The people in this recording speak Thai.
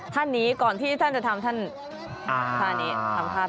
ท่านนี้ก่อนที่ท่านจะทำท่านท่านี้ทำท่า